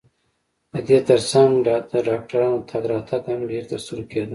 د دې ترڅنګ د ډاکټرانو تګ راتګ هم ډېر ترسترګو کېده.